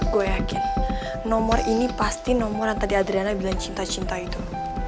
gue yakin nomor ini pasti nomor yang tadi adriana bilang cinta cinta itu